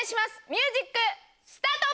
ミュージックスタート！